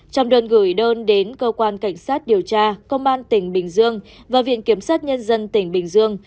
trong đơn gửi đơn đến cơ quan cảnh sát điều tra công an tỉnh bình dương và viện kiểm sát nhân dân tỉnh bình dương